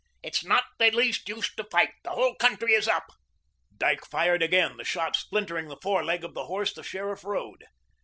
"It's not the least use to fight. The whole country is up." Dyke fired again, the shot splintering the foreleg of the horse the sheriff rode.